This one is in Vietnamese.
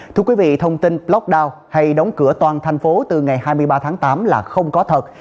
thưa quý vị thông tin blogdown hay đóng cửa toàn thành phố từ ngày hai mươi ba tháng tám là không có thật